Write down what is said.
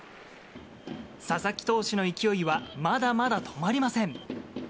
佐々木投手の勢いはまだまだ止まりません。